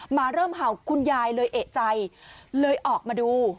หมาเริ่มเห่าคุณยายเลยเอกใจเลยออกมาดู